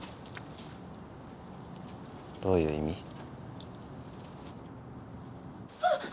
どういう意味？